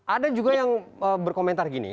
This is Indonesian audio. ada juga yang berkomentar gini